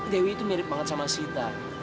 dewi itu mirip banget sama sita